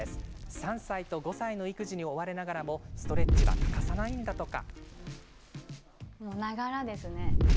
３歳と５歳の育児に追われながらもストレッチは欠かさないんだとか。